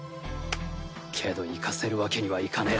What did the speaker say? けど行かせるわけにはいかねえ。